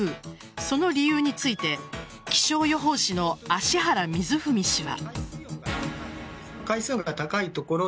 その理由について気象予報士の芦原瑞文氏は。